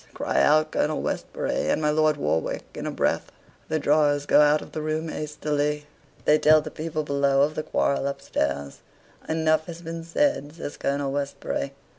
cry out Colonel Westbury and my Lord Warwick in a breath. The drawers go out of the room hastily. They tell the people below of the quarrel up stairs. "Enough has been said," says Colonel Westbury.